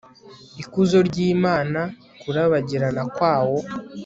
ikuzo ry Imana Kurabagirana kwawo